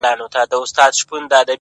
زما په خيال هري انجلۍ ته گوره;